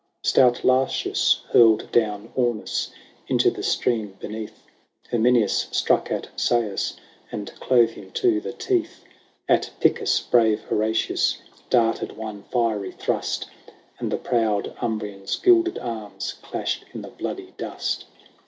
XXXVIII. Stout Lartius hurled down Aunus Into the stream beneath : Herminius struck at Seius, And clove him to the teeth : At Picus brave Horatius Darted one fiery thrust ; And the proud Umbrian's gilded arms Clashed in the bloody dust.